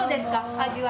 味は。